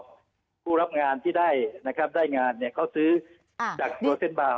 ปอบผู้รับงานที่ได้งานเขาซือจากตัวเส้นเบา